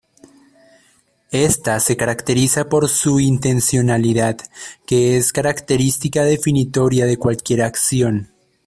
Esta se caracteriza por su intencionalidad, que es una característica definitoria de cualquier acción.